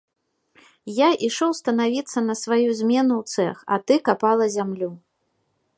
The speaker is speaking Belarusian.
Я ішоў станавіцца на сваю змену ў цэх, а ты капала зямлю.